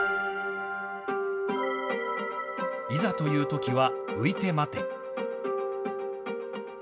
いざというときは浮いて待て。